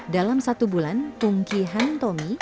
dalam satu bulan tungki han tommy